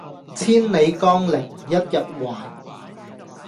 千里江陵一日還